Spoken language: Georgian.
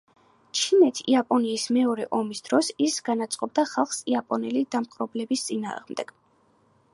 ჩინეთ-იაპონიის მეორე ომის დროს ის განაწყობდა ხალხს იაპონელი დამპყრობლების წინააღმდეგ.